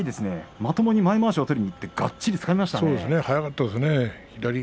まともに前まわしを取りにいってがっちりつかみましたね。